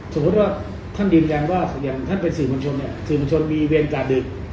สมมุติว่าท่านยืนยันว่าอย่างท่านเป็นสื่อมวลชนเนี่ยสื่อมวลชนมีเวรกาดึก